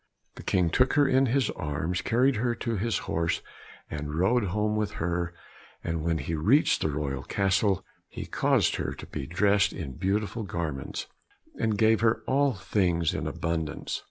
The King took her in his arms, carried her to his horse, and rode home with her, and when he reached the royal castle he caused her to be dressed in beautiful garments, and gave her all things in abundance.